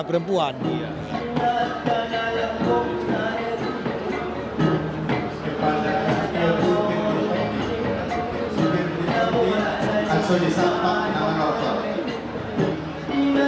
perempuan ia terkenal yang kok nah itu kepada yang lebih tinggi sudah dikerti langsung disampak